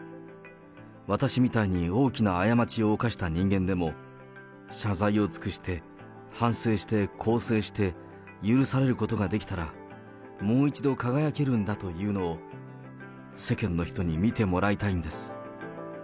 私みたいに大きな過ちを犯した人間でも、謝罪を尽くして、反省して、更生して、許されることができたら、もう一度輝けるんだというのを、世間の人に見てもらいたいんです。